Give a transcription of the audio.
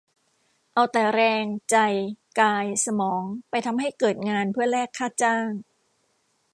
แต่เอาแรง ใจ กาย สมอง ไปทำให้เกิดงาน เพื่อแลกค่าจ้าง